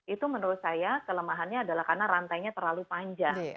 itu menurut saya kelemahannya adalah karena rantainya terlalu panjang